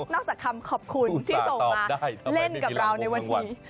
จากคำขอบคุณที่ส่งมาเล่นกับเราในวันนี้